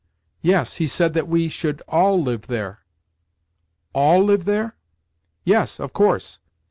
"Yes, he said that we should all live there." "All live there?" "Yes, of course.